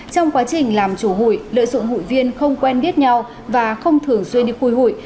trong quá trình làm chủ hụi lợi dụng hụi viên không quen biết nhau và không thường xuyên đi khui hụi